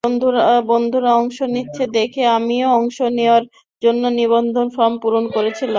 বন্ধুরা অংশ নিচ্ছে দেখে আমিও অংশ নেওয়ার জন্য নিবন্ধন ফরম পূরণ করেছিলাম।